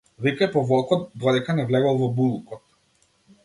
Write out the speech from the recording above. Викај по волкот, додека не влегол во булукот.